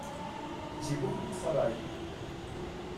J’ai beaucoup de travail.